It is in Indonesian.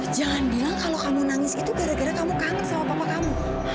jangan bilang kalau kamu nangis itu gara gara kamu kangen sama papa kamu